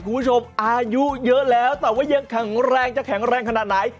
คุณผู้ชมอายุเยอะแล้วแต่ว่ายังแข็งแรงจะแข็งแรงขนาดไหน